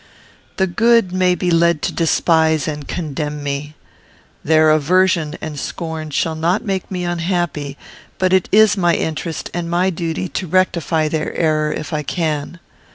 The good may be led to despise and condemn me. Their aversion and scorn shall not make me unhappy; but it is my interest and my duty to rectify their error if I can.